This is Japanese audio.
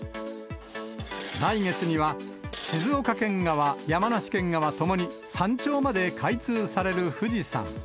来月には、静岡県側、山梨県側ともに山頂まで開通される富士山。